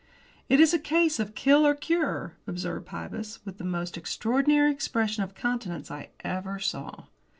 "It is a case of kill or cure," observed Pybus, with the most extraordinary expression of countenance I ever saw.